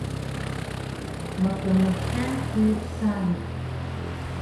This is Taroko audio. Mkmkan ku sari